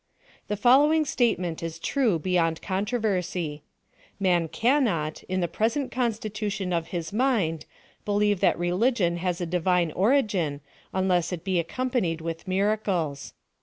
The following statement is true beyond controver sy — Man cannot^ in the ]>resent constitution of his mind, believe that religion has a divine orisrin, unless it he accompanied with miracles.